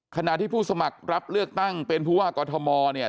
ขณะที่ผู้สมัครรับเลือกตั้งเป็นผู้ว่ากอทมเนี่ย